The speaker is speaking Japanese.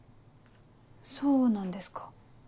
そうなんですか。